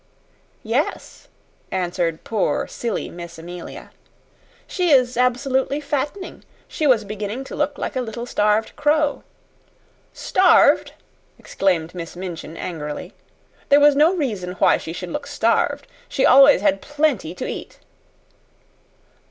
"Yes," answered poor, silly Miss Amelia. "She is absolutely fattening. She was beginning to look like a little starved crow." "Starved!" exclaimed Miss Minchin, angrily. "There was no reason why she should look starved. She always had plenty to eat!"